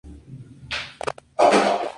La "izquierda peronista" se sentía traicionada.